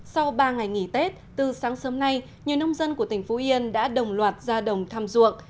sau ba ngày nghỉ tết từ sáng sớm nay nhiều nông dân của tỉnh phú yên đã đồng loạt ra đồng thăm ruộng